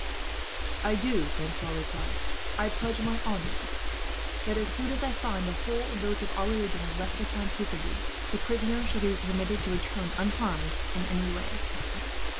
"I do," Francois replied. "I pledge my honour that, as soon as I find that the whole of those of our religion have left the town peaceably, the prisoners shall be permitted to return, unharmed in any way."